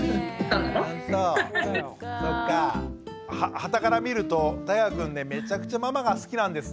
はたから見るとたいがくんねめちゃくちゃママが好きなんですね。